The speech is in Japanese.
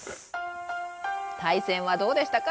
対戦はどうでしたか？